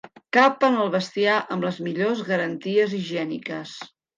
Capen el bestiar amb les millor garanties higièniques.